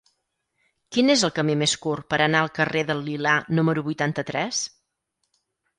Quin és el camí més curt per anar al carrer del Lilà número vuitanta-tres?